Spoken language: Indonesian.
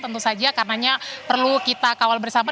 tentu saja karenanya perlu kita kawal bersama